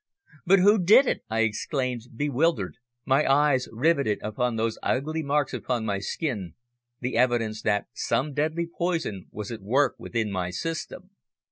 "But who did it?" I exclaimed, bewildered, my eyes riveted upon those ugly marks upon my skin, the evidence that some deadly poison was at work within my system.